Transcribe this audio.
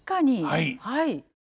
はい。